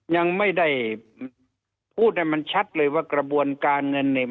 ยังไม่ได้พูดให้มันชัดเลยว่ากระบวนการเงินเนี่ย